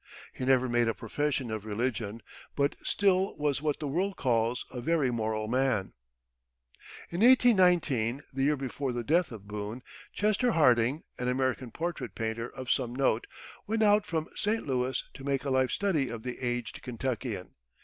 He never made a profession of religion, but still was what the world calls a very moral man." In 1819, the year before the death of Boone, Chester Harding, an American portrait painter of some note, went out from St. Louis to make a life study of the aged Kentuckian.